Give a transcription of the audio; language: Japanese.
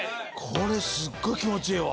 これすっごい気持ちええわ。